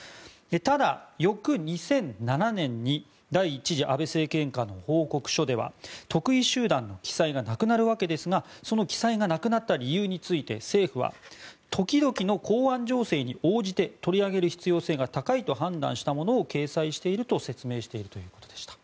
ただ、翌２００７年に第１次安倍政権下の報告書では特異集団の記載がなくなるわけですがその記載がなくなった理由について政府は時々の公安情勢に応じて取り上げる必要性が高いと判断したものを掲載していると説明しているということでした。